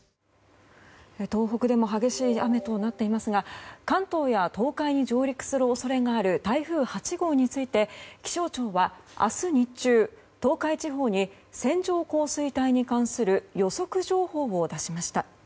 東北でも激しい雨となっていますが関東や東海に上陸する恐れがある台風８号について気象庁は明日日中、東海地方に線状降水帯に関する予測情報を出しました。